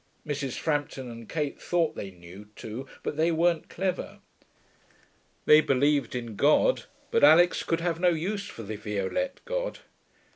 Mrs. Frampton and Kate thought they knew, too; but they weren't clever. They believed in God: but Alix could have no use for the Violette God.